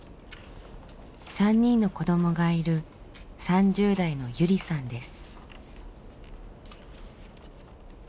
３人の子どもがいる３０代のゆりさんです。